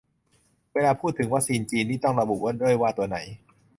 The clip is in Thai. เวลาพูดถึง "วัคซีนจีน" นี่ต้องระบุด้วยว่าตัวไหน